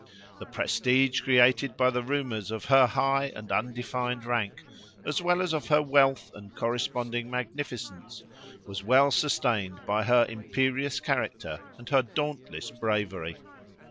The prestige created by the rumours of her high and undefined rank, as well as of her wealth and corresponding magnificence, was well sustained by her imperious character and her dauntless bravery.